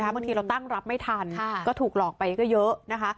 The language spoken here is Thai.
บางทีเราตั้งรับไม่ทันก็ถูกหลอกไปก็เยอะนะคะ